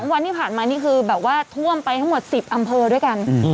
วันที่ผ่านมานี่คือแบบว่าท่วมไปทั้งหมด๑๐อำเภอด้วยกัน